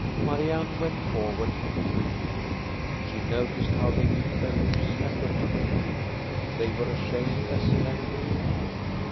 Marianne went forward and freed them. She noticed how they bit their lips and looked away. They were ashamed as never before.